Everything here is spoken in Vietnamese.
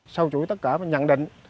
sau chủi tất cả và nhận định